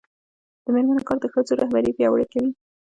د میرمنو کار د ښځو رهبري پیاوړې کوي.